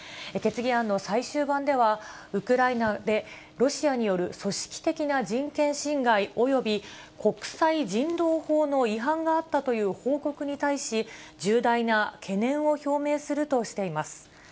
決議案の最終版では、ウクライナでロシアによる組織的な人権侵害および国際人道法の違反があったという報告に対し、重大な懸念を表明するとしています。